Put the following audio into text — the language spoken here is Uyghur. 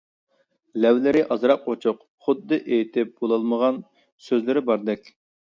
لەۋلىرى ئازراق ئوچۇق، خۇددى ئېيتىپ بولالمىغان سۆزلىرى باردەك.